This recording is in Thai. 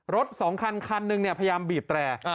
สองคันคันหนึ่งพยายามบีบแตร